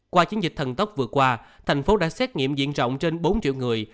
qua chiến dịch thần tốc vừa qua thành phố đã xét nghiệm diện rộng trên bốn triệu người